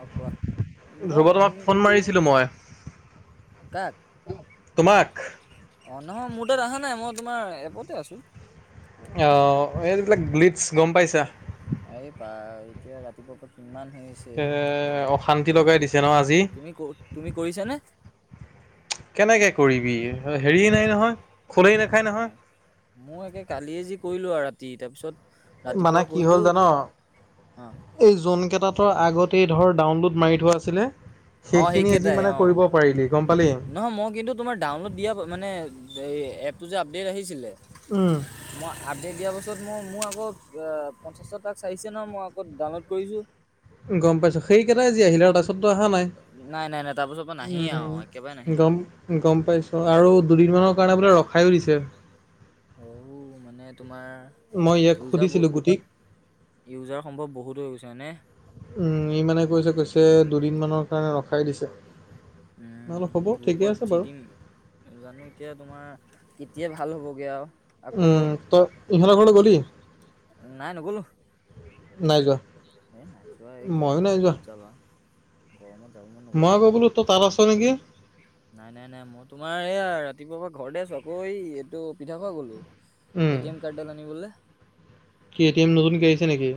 অ কোৱা মই ধ্ৰৱ তোমাক তুমি ফোন মাৰিছিলোঁ মই কাক তোমাক অ নহয় মোৰ তাত অহা নাই মই তোমাৰ এপতে আছো অ এইবিলাক গ্লিটছ গম পাইছা এই পা এতিয়া ৰাতিপুৱাৰ পৰা কিমান হৈ আছে এ অশান্তি লগাই দিছে ন আজি তুমি ক তুমি কৰিছা নে কেনেকে কৰিবি হেৰি নাই নহয় খোলেই নাখায় নহয় মই একে কালিয়ে যি কৰিলো আৰু ৰাতি তাৰপিছত মানে ৰাতিপুৱা কি কৰিলো হ'ল জান অ এই জোন কেইটাতৰ আগতেই ধৰ ডাউনলোড মাৰি থোৱা আছিলে অ সেইখিনি জি সেইকেইটাই মানে অ কৰিব পাৰিলি গম পালি নহয় মই কিন্তু তোমাৰ ডাউনলোড দিয়া মানে এপটো যে আপডেট আহিছিলে উম মই আপডেট দিয়াৰ পাছত মই মোৰ আকৌ পঞ্চাছশ টাস্ক আহিছে ন মই আকৌ ডাউনলোড কৰিছো গম পাইছো সেইকেইটাই যি আহিলে আৰু যি পাছত টো অহা নাই নাই নাই নাই তাৰ পাছৰ পৰা নাহিয়ে আৰু উম একেবাৰে নাহিলে গম গম পাইছো আৰু দুদিন মানৰ কাৰণে বোলে ৰখাইও দিছে অ মানে তোমাৰ মই ইয়াক ইউজাৰবোৰ সুধিছিলোঁ গুটিক ইউজাৰ সম্ভৱ বহুত হৈ গৈছে হয়নে উম ই মানে কৈছে কৈছে দুদিন মানৰ কাৰণে ৰখাই দিছে মই বোলো সি হ'ব ঠিকে গ্ৰুপত আছে বাৰু। যিদিন জানো এতিয়া তোমাৰ কেতিয়া ভাল হ'বগে আৰু আকৌ উম তই ইহঁতৰ ঘৰলে গ'লি নাই যোৱা এই নাই যোৱা এই ময়ো নাই গৰমত যোৱা। ক'ত যাবা? গৰমত যাব মন নগ'ল মই আকৌ আৰু। বোলো, তই তাত আছ নেকি? নাই, নাই, নাই মই তোমাৰ এইয়া ৰাতিপুৱাৰ পৰা ঘৰতে আছো। আকৌ এই এইটো পিঠা খোৱা গলো। উম। এ, টি, এম, কাৰ্ড দাল আনিবলে। কি এ, টি, এম, নতুন কে আহিছে নেকি?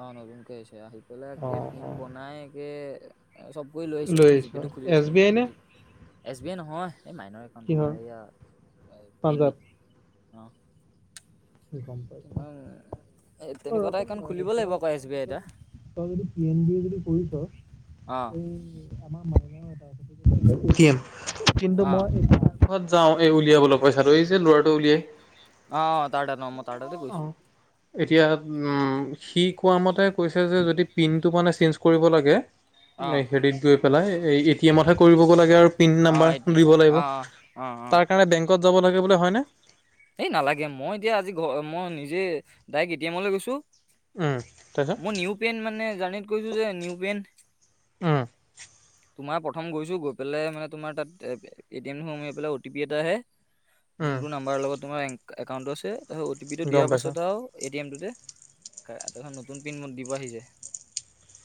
অ' নতুনকৈ আহিছে, আহি পেলাই কে অ', টিং অ'। বনাই একে চব কৰি লৈ আহিছো, এতিয়া জিপে টো খুলি এছ দিছো। বি আই নে? এছ, বি, আই, নহয়, এই মাইনৰ একাউণ্ট তোমাৰ কিহৰ? এইয়া পে, এন, বি, পাঞ্জাৱ। অ' গম পাইছোঁ। অঁহ, অ' তেনেকুৱা এটা ৰচোন একাউণ্ট তই তই খুলিব লাগিব আকৌ এছ বি তেতিয়াহ'লে আইএটা। তই যদি পি এন বি এ যদি কৰিছ অ এই। আমাৰ [unintelligible] গাঁৱৰ এটা এ টি এম, কিন্তু অ মই এই ঘৰত যাওঁ এই উলিয়াব লৈ পইছাটো এই যে ল'ৰাটো উলিয়াই। অহ তাৰ তানমত। অঁহ। এতিয়া উম সি কোৱা মতে কৈছে যে, যদি পিনটো মানে চেঞ্জ কৰিব লাগে। অ মেহেৰিত গৈ পেলাই এই এটি এমতহে কৰিবগৈ লাগে আৰু। পিন অ নাম্বাৰ এতিয়া দিব লাগিব, অ অ অ অ তাৰ কাৰণে বেংকত যাব লাগে বোলে হয়নে? এই নালাগে, মই এতিয়া আজি ঘ মই নিজে ডাইৰেক্ট এ টি এমৈ গৈছো। উম, তাৰ পিছত। পেন্ট মানে জানেট কৈছো যে নিউ পেণ্ট উমঁ। তোমাৰ প্ৰথম গৈছো গৈ পেলাই মানে তোমাৰ তাতে এটিএম খন মাৰি পেলাই অটি পি এটা আহে। উম যোনটো নাম্বাৰত লগত তোমাৰ একাউণ্টটো আছে অ' টি, পিটো গম দিয়াৰ পাইছোঁ। পাছত আৰু এ টি এম টুতে। কাৰ এখন নতুন প্ৰিন্ট মোক দিব আহিছে।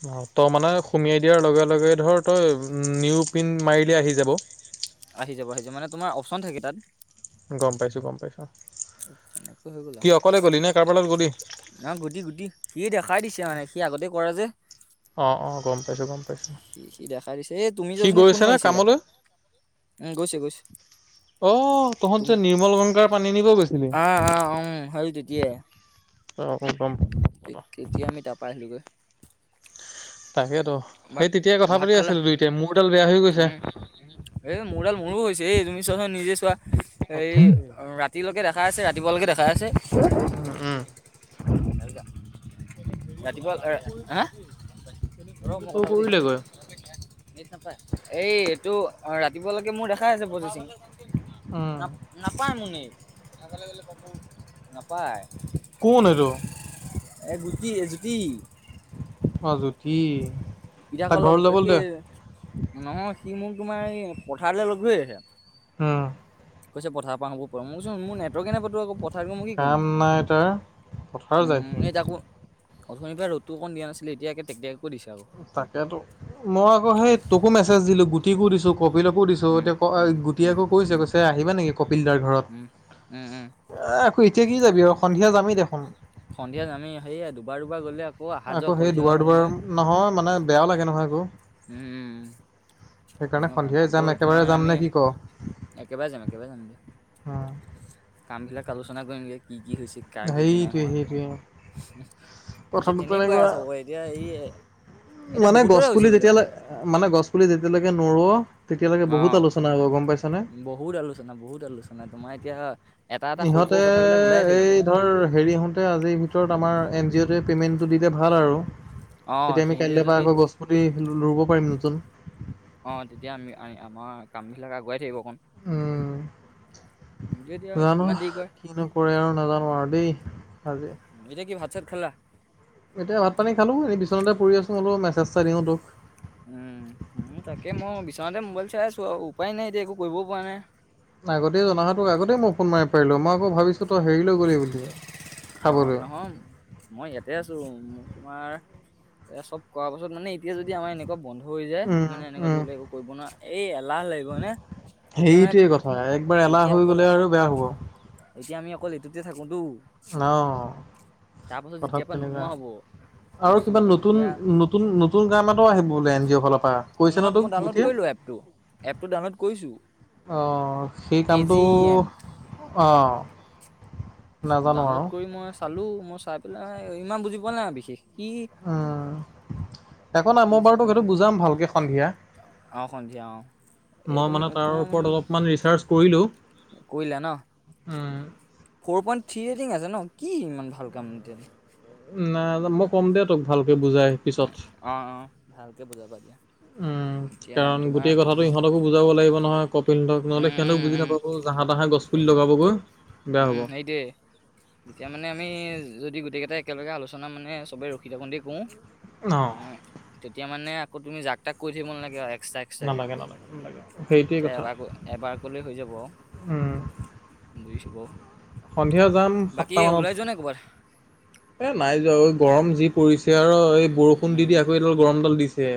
অঁহ তই মানে সুমিয়াই দিয়াৰ লগে লগে ধৰ তই নিউ প্ৰিণ্ট মাৰিলে আহি যাব। আহি যাব আহি যাব মানে তোমাৰ অপচন থাকে তাত। গম পাইছোঁ, গম পাইছোঁ, তেনেকৈ কি অকলে গ'লি নে কাৰবাৰ লগত গ'লি? অ গুধি গুধি সি দেখাই দিছে মানে সি আগতে কৰে যে। অঁ, অঁ, গম পাইছোঁ গম পাইছোঁ। সি সি দেখাই দিছে, এ তুমি যে সি অথনি ফোন গৈছে নে মাৰিছিলা কামলৈ? উমঁ, গৈছে গৈছে। অঁহ তহঁত তুমি যে নিৰ্মল গংগাৰ পানী নিব গৈছিলি। কিয়ে। অঁ, অঁ, কম কে কেতিয়া আমি তাৰ পৰা আহিলোগৈ? তাকেইটো ভাত সেই তেতিয়াই কথা ভাত পাতি খালা আছিলোঁ দুইটাই মোৰডাল বেয়া হৈ গৈছে। এ মোৰডাল মোৰো হৈছে এই তুমি চোৱাচোন নিজে চোৱা। এই সঁচাকে। ৰাতিলৈকে দেখাই আছে ৰাতিপুৱালৈকে দেখাই আছে। উম উম ৰাতিপুৱা হা। ৰ, এইটো মই শ্ব' কথা পাতি কৰিলেগৈ আছো। নেট নাপায়, এই এইটো ৰাতিপুৱালেকে মোৰ দেখাই আছে মোৰ পজেচিং। উম। নাপায় মোৰ নেট, কথাকবলৈ গ'লে বাবে নাপায়। কোন এইটো? এ, গুতি এ জ্যোতি। অহ জুতি। এতিয়া লগ কি, নহয় সি মোক তোমাৰ এই পথাৰলৈ লগ ধৰি আছে। হম। কৈছে পথাৰৰ পৰা আহোঁ গৈ বল মই কৈছো নেটৱৰ্কেই নাই কটো আকৌ পথাৰ তাকো মই কি কৰিম কাম মই, নাই তাৰ পথাৰ যায় উম সি উম তাকো। অথনিৰ পৰা ৰ'দটো অকণ দিয়া নাছিলে এতিয়া আকৌ তেক তেক কৈ দিছে আকৌ। তাকেতো মই আকৌ সেই তোকো মেছেজ দিলো, গুটিকো দিছো, কপিলকো দিছো। উম এতিয়া ক গুটিয়ে উম আকৌ কৈছে কৈছে আহিবা নেকি কপিল দাৰ ঘৰত। উম উম উম অ এতিয়া কি যাবি আৰু সন্ধিয়া যামেই দেখোন। সন্ধিয়া যামি সেয়ে দুবাৰ দুবাৰ গ'লে আকৌ। আকৌ অহা-যোৱা সেই কৰিছোগে দুবাৰ দুবাৰ সলনি, নহয় মানে বেয়াও লাগে নহয় আকৌ। উমঁ-উঁম। সেইকাৰণে ইমান ভাল। সন্ধিয়াই যাম আকৌ একেবাৰে তোমাৰ যাম নে আমি কি ক একেবাৰে যাম, একেবাৰে যাম দিয়া। উম। কামবিলাক আলোচনা কৰিম গে কি কি হৈছে। কাৰ কি কি নাই সেইটোৱে হোৱা। সেইটোৱে এতিয়া কথাটো তেনেকুৱা তেনেকুৱাই চবৰে, এতিয়া এই- এতিয়া মানে গছ বহুতৰে হৈছে পুলি বোলে যেতিয়ালৈ মানে গছ পুলি যেতিয়ালৈকে নোৰোৱ, তেতিয়ালৈকে অ বহুত আলোচনা হ'ব গম পাইছ নে। বহুত আলোচনা, বহুত আলোচনা। তোমাৰ এতিয়া এটা-এটা ইহঁতে সৰু কথাবিলাক ওলাই থাকিব। এই ধৰ হেৰি ইহঁতে আজিৰ ভিতৰত আমাৰ এন জি অ'টোৱে পে'মেণ্টটো দিলে ভাল আৰু। অ তেতিয়া আমি সিহঁতে কাইলে যদি পৰা আকৌ গছ পুতি ৰুব পাৰিম নতুন। অঁহ', - তেতিয়া আমি আমাৰ কাম বিলাক আগুৱাই থাকিব অকণ। উমঁ। সিহঁতে এতিয়া জানো কিমান দেৰি কৰে কি নো কৰে আৰু নাজানো আৰু দেই আজি। এতিয়া কি ভাত-চাত খালা? এতিয়া ভাত-পানী খালো। এনেই বিচনাতে পৰি আছোঁ অলপ মেছেজ এটা দিওঁ তোক। উমঁ, তাকে মই বিচনাতে মোবাইল চাই আছো আৰু উপায় নাই এতিয়া একো কৰিবও পৰা নাই। আগতেই জনা তোক হ'লেতো আগতে মই ফোন মাৰিব পাৰিলো, মই আকৌ ভাবিছো তই হেৰি লৈ গ'লি বুলি। অঁহ', - খাবলৈ। নহয়। মই ইয়াতে আছো। তোমাৰ এ চব কৰা পাছত মানে এতিয়া যদি আমাৰ এনেকুৱা- বন্ধ হৈ যায়। উম, মানে এনেকা ধৰি উম, লোৱা আকৌ- কৰিব নোৱাৰা। এই এলাহ লাগিব এনেই এতিয়া মানে সেইটোৱে কথা একবাৰ এলাহ এতিয়া হৈ গ'লে অকল- আৰু বেয়া হ'ব। এতিয়া আমি অকল এইটোতে থাকো তো। অঁহ। তাৰ পাছত যেতিয়াৰ পৰা নোহোৱা হ'ব। আৰু কিবা বস্তুবিলাক তেতিয়া নতুন-নতুন-নতুন কাম এটা আহিব বোলে এন জি অ' ফালৰ পৰা, কৈছে ন তোক গুটে? টো এপ টো ডাউনলোড কৰিছো। অঁহ', - সেই কে জি কামটো ই এন অঁহ', -। ডাউনলোড কৰি মই চালো, মই চাই পেলাই ইমান বুজি পোৱা নাই বিশেষ কি উম, একো নাই, কি মই হৈছে বাৰু তোক নাজানো সেইটো বুজাম ভালকে সন্ধিয়া। অ সন্ধিয়া অ মই এইটো মানে তাৰ তোমাৰ মানে ওপৰত অলপমান ৰিচাৰ্চ কৰিলোঁ। কৰিলা ন উমঁ। ফ'ৰ পইণ্ট থ্ৰী ৰেটিং আছে ন, কি ইমান ভাল কাম এতিয়ালৈ। নাই, মই কম দে তোক ভালকে বুজাই পিছত। অ অ ভালকে বুজাবা দিয়া উমঁ। এতিয়া কাৰণ তোমাৰ গোটেই কথাটো ইহঁতকো বুজাব লাগিব নহয়। ক- ৰি সিহঁতক নহ'লে উম সিহঁতক উম বুজি উম নাপাব গৈ জাহাঁ-তাহে গছপুলি এতিয়া লগাবগৈ বেয়া উম হ'ব। সেইটোৱে তেতিয়া মানে আমি যদি গোটেই কেইটাই একেলগে আলোচনা মানে চবেই ৰখি থাকোতে কৰোঁ। উমঁ। তেতিয়া মানে আকৌ তুমি যাক তাক কৰি থাকিব নালাগে আৰু এক্সট্ৰাকে। নালাগে-নালাগে-নালাগে, সেইটোৱেই তেতিয়া কথা। এবাৰ ক- এবাৰ কৰিলেই হৈ যাব, উম বুজিছো সন্ধিয়া যাম বাৰু। বাকী সাতটা মানত ওলাই যোৱা নাই কৰবাত? এ' নাই যাোৱা ঐ। গৰম যি পৰিছে আৰু এই বৰষুণ দি-দি আকৌ এইডাল গৰমডাল দিছে।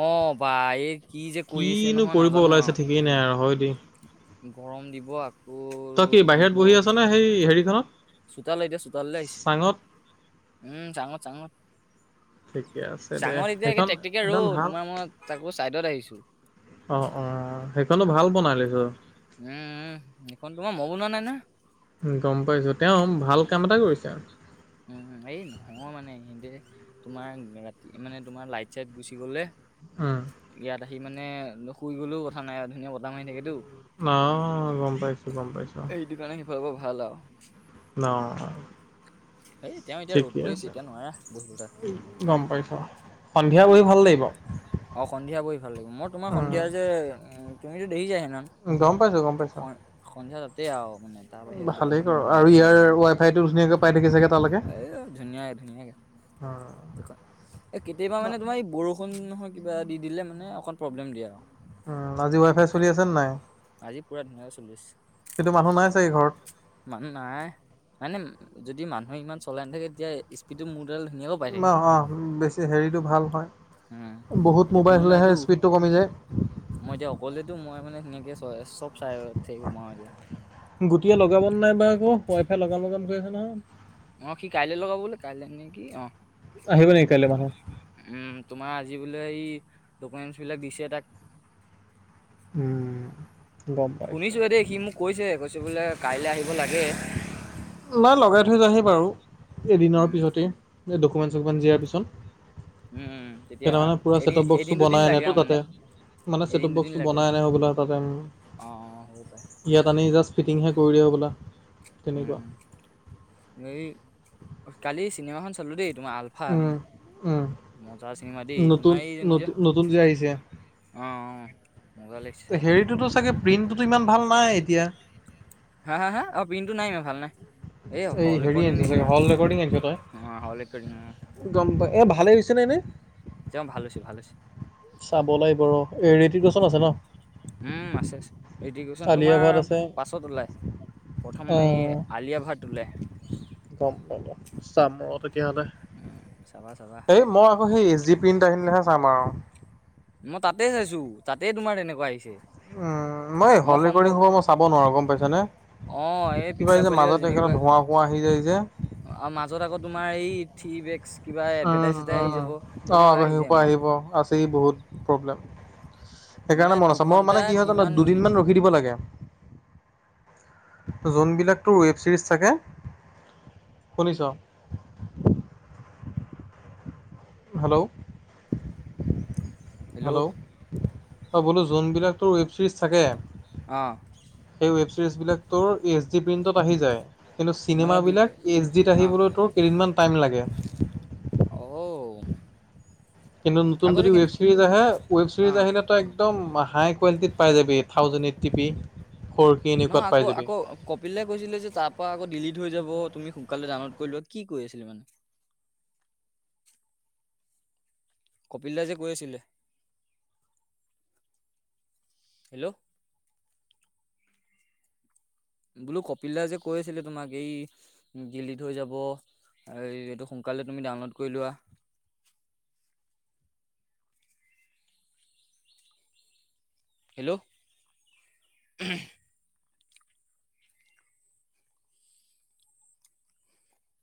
অঁহ', -বা এই কি যে কৰি আছে কিনো নহয়, কৰিব নাজানো ওলাইছে আৰু। ঠিকেই নাই আৰু হয় দেই গৰম দিব। অ। তই কি বাহিৰত বহি আছ নে, সেই হেৰিখনত? চোতাল এতিয়া চোতাললৈ আহিছোঁ। চাঙত উমঁ, চাঙত-চাঙত। ঠিকে আছে দে চাঙত এতিয়া একে সেইখন টেকটিকিয়া সেইখন ৰ'দ, ভাল তোমাৰ মই তাকো চাইডত আহিছো। অ' অ' সেইখনো ভাল বনালিটো। উম উম, সেইখন তোমাৰ মই বনোৱা নাই নহয়। গম পাইছোঁ, তেওঁ ভাল কাম এটা কৰিছে আৰু। উম এই নহয় মানে ইহঁতে তোমাৰ ৰাতি মানে তোমাৰ লাইট চাইট গুচি গ'লে উম। ইয়াত আহি মানে শুই গলেও কথা নাই ধুনীয়া বতাহ মাৰি থাকেতো। অঁহহ গম পাইছো। এইটো কাৰণে সিফালৰ পৰা ভাল আৰু। অঁ হেই তেওঁ এতিয়া ৰ'দ পৰি আছে এতিয়া নোৱাৰা বহিবলৈ। গম পাইছো, সন্ধিয়া বহি ভাল লাগিব। অ' সন্ধিয়া বহি ভাল লাগিব। মই তোমাৰ উম, সন্ধিয়া যে, তুমিতো দেৰিকে আহা ন? উম গম পাইছো গম পাইছো অঁ। সন্ধিয়া তাতে আৰু মানে। তাৰ বাহিৰে ভালেই বেলেগত ক'ৰ আৰু নাযাওঁ। ইয়াৰ ৱাই ফাইটো ধুনীয়াকে পাই থাকে চাগে? এই ধুনীয়াক ধুনীয়াকে। অ'। এই কেতিয়াবা মানে তোমাৰ এই বৰষুণ নহয় কিবা এ দি দিলে মানে অকণ প্ৰব্লেম দিয়ে আৰু। উম আজি ৱাই ফাই চলি আছে নে নাই? আজি পুৰা ধুনীয়াকে চলি আছে। সেইটো মানুহ নাই চাগে ঘৰত? মানুহ নাই, মানে যদি মানুহ ইমান চলাই নাথাকে তেতিয়া কিন্তু মোৰ তালে ধুনীয়াকেও পাই। থাকে অঁ অঁ বেছি হেৰিটো ভাল হয়। উম। বহুত এতিয়া মোবাইল কোনো হ'লেহে নাইতো স্পীডটো কমি যায়। মই এতিয়া অকলেতো মই মানে ধুনিয়াকে চব চাই থাকিব পাৰো এতিয়া। গোটটয়ে লগাব নাই বা আক' ৱাই ফাই লগাম লগাম কৰি আছে নহয়। অঁ সি কাইলে লগাব বোলে কাইলৈ নে কি অঁহ। আহিব নেকি কাইলে মানুহ? উম তোমাৰ আজি বোলে এই ডকুমেন্টচ বিলাক দিছে তাক উম, গম পাইছো। শুনিছোহে দেই সি মোক কৈছে কৈছে বোলে কাইলৈ আহিব লাগে। নাই লগাই থৈ যাইহি বাৰু এদিনৰ উম, পিছতেই ডকুমেণ্ট চকুমেণ্ট দিয়াৰ পিছত। উম, উম, তেতিয়া কেইটামানে পুৰা এদিন চেটপ বক্সোটো এদিন দুদিন বনাই লাগে আনেতো আৰু মানে তাতে। মানে এদিন চেটপ দুদিন বক্সটো লাগে বনাই আৰু আনে হ'বলা তাতে উম। অ', হ'ব পাৰে ইয়াত আনি জাষ্ট ফিটিং টোহে কৰি দিব হ'বলা। তেনেকুৱা উম সেই কালি চিনেমাখন চালো দেই তোমাৰ আল ফা, উম, উম, মজা চিনেমা দেই, নতুন তোমাৰ এইজনী যে নতুন নতুন যে আহিছে অঁ অঁ মজা লা হেৰিটোতো চাগে প্ৰিণ্টটোতো ইমান ভাল নাই এতিয়া? হা হা অ' প্ৰিনটো নাই ইমান ভাল নাই। এই হল হেৰি ৰেকৰ্ডিং আনিছ চাগে নিচিনা। হল ৰেকৰ্ডিং আনিছ তই অঁ হল ৰেকৰ্ডিং অঁ। গম পা এ ভালে হৈছে নে এনে? একদম ভাল হৈছে ভাল হৈছে। চাব লাগিব ৰ' এ হৃতিক ৰোশন আছে চাবা ন? উম আছে আছে এডুকেশ্যন আলিয়া তোমাৰ ভাট আছে পাছত ওলাই। প্ৰথম এই অ', আলিয়া ভাত উলায়। গম গম চাম আৰু তেতিয়াহ'লে চাবা চাবা এই মই আকৌ সেই এ জি প্ৰিণ্ট আহিলেহে চাম আৰু। মই তাতে চাইছো, তাতে তোমাৰ তেনেকুৱা আহিছে। উম মই হল ৰেকৰ্ডিং সব মই চাব নোৱাৰো গম পাইছা নে। অ এই কিবা পিকচাৰ যে মাজত এনেকুৱা ধোঁৱা সোৱা আহি যায় যে। আ মাজত আকৌ তোমাৰ এই থ্ৰি বেক্স কিবা উম, এডভাৰটাইজ এটাই আহি উম। যাব তেনেকুৱাই আকৌ আহি যায় সেইসোপা মানে। আহিব অ আছেই বহুত প্ৰব্লেম মানে সেইকাৰণে মন আছে মই দুঘন্টা মানে কি হয় কিমান মিনিট দুদিনমান ৰকি দিব লাগে। জোন বিলাকটো ৱেব ছিৰিজ থাকে, শুনিছ। হেল্ল' হেল্ল' অ বোলো জোন বিলাক ৱেব ছিৰিজ থাকে। অ সেই ৱেব ছিৰিজটোৰ বিলাক এইচ ডি প্ৰিণ্টত আহি যায়। কিন্তু মানে চিনেমা দু বিলাক এইচ ডিত অ আহিবলৈতো কেইদিনমান টাইম লাগে। অহ ও। কিন্তু নতুন যদি ৱেব ছিৰিজ আহে ৱেব অ ছিৰিজ আহিলে তো একদম হাই কোৱালিটিত পাই যাবি। Thousand eight T P four G নহয় এনেকুৱাত আকৌ পাই যাবি। আকৌ কপিল দাই কৈছিলে যে তাৰ পৰা আকৌ ডিলিট হৈ যাব তুমি সোনকালে ডাউনলোড কৰি লোৱা কি কৰি আছিলে মানে। কপিল দাই যে কৈ আছিলে। হেল্ল' বোলো কপিল দা যে কৈ আছিলে তোমাক এই ডিলিট হৈ যাব। এই এইটো সোনকালে তুমি ডাউনলোড কৰি লোৱা। হেল্ল'